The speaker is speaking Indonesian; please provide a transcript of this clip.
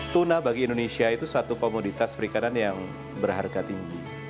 tuna bagi indonesia itu suatu komoditas perikanan yang berharga tinggi